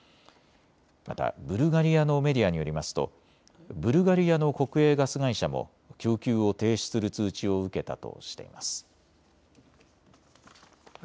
またブルガリアのメディアによりますとブルガリアの国営ガス会社も供給を停止する通知を受けたとしています。